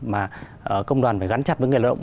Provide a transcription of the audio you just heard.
mà công đoàn phải gắn chặt với người lao động